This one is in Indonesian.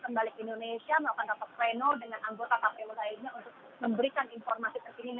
kembali ke indonesia melakukan pranur dengan anggota kpu lainnya memberikan informasi terkini